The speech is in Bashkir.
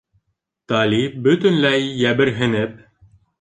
Талип, бөтөнләй, йәберһенеп: